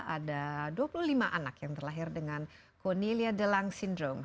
ada dua puluh lima anak yang terlahir dengan cornelia delang syndrome